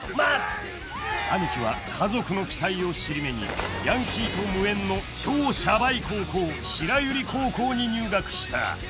［アニキは家族の期待を尻目にヤンキーと無縁の超シャバい高校白百合高校に入学した］